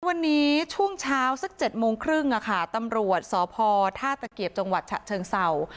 วันนี้ช่วงเช้าสัก๗โมงครึ่งตำรวจสพท่าตะเกียบจังหวัดฉะเชิงเศร้า